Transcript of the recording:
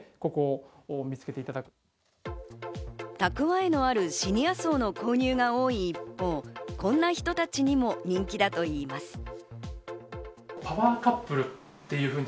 蓄えのあるシニア層の購入が多い一方、こんな人たちにも人気だといいます。